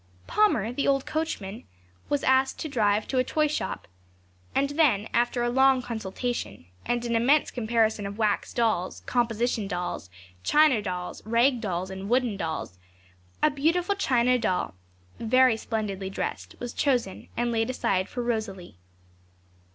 Palmer, the old coachman, was asked to drive to a toyshop; and then, after a long consultation, and an immense comparison of wax dolls, composition dolls, china dolls, rag dolls, and wooden dolls, a beautiful china doll very splendidly dressed was chosen, and laid aside for Rosalie.